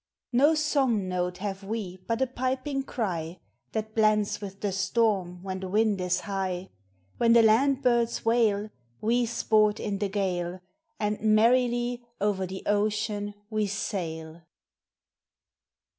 • No song note have we but a piping cry, That blends with the storm when the wind is high. When the land birds wail We sport in the gale, And merrily over the ocean we sail.